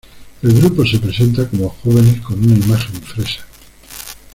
El grupo se presenta como jóvenes con una imagen fresa.